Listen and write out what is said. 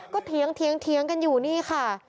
ก็เถียงเถียงเถียงกันอยู่นี่ค่ะ